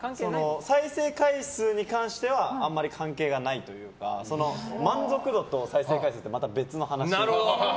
再生回数に関してはあんまり関係がないというか満足度と、再生回数ってまた別の話で。